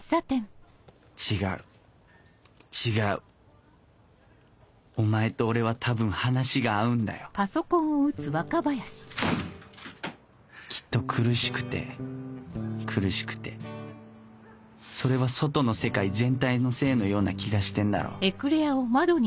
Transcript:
違う違うお前と俺は多分話が合うんだよきっと苦しくて苦しくてそれは外の世界全体のせいのような気がしてんだろ？